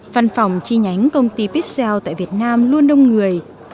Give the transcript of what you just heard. văn phòng chi nhánh công ty pixel tại việt nam luôn đông người